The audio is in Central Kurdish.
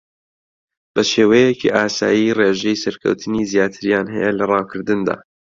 بە شێوەیەکی ئاسایی ڕێژەی سەرکەوتنی زیاتریان ھەیە لە ڕاوکردندا